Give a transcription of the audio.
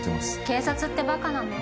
警察ってバカなの？